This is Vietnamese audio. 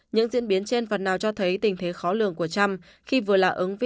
những diễn biến trên phần nào cho thấy tình thế khó lường của trump